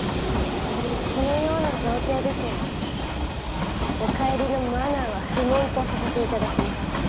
このような状況ですのでお帰りの「マナー」は不問とさせていただきます。